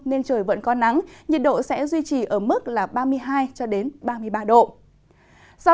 nên trời vẫn có nắng nhiệt độ sẽ duy trì ở mức ba mươi hai ba mươi ba độ